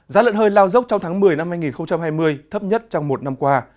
giá lợn hơi lao dốc trong tháng một mươi năm hai nghìn hai mươi thấp nhất trong một năm qua